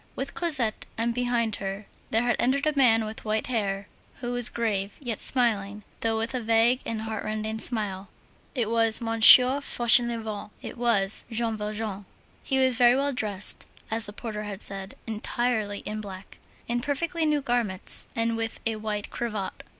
With Cosette, and behind her, there had entered a man with white hair who was grave yet smiling, though with a vague and heartrending smile. It was "Monsieur Fauchelevent"; it was Jean Valjean. He was very well dressed, as the porter had said, entirely in black, in perfectly new garments, and with a white cravat.